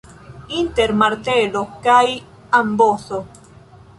Inter martelo kaj amboso.